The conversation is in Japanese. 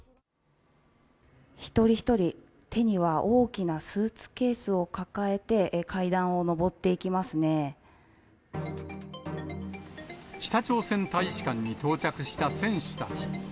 一人一人、手には大きなスーツケースを抱えて、北朝鮮大使館に到着した選手たち。